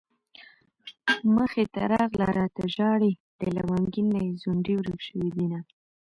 مخې ته راغله راته ژاړي د لونګين نه يې ځونډي ورک شوي دينه